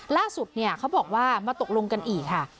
ล่าสุดเนี่ยเขาบอกว่ามาตกลงกันอีกค่ะ